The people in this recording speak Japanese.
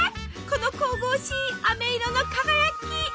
この神々しいあめ色の輝き。